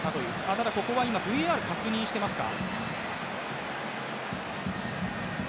ただ、ここはＶＡＲ確認してますか。